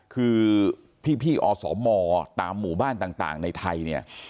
คือพี่อสมตามหมู่บ้านต่างในไทยเนี่ย